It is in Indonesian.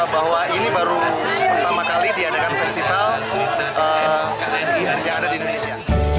bahwa ini baru pertama kali diadakan festival yang ada di indonesia